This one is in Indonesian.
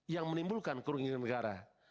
yang menimbulkan kerugian negara